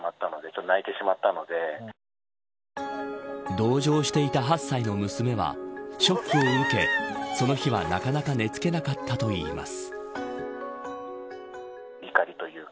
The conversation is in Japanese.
同乗していた８歳の娘はショックを受けその日はなかなか寝付けなかったといいます。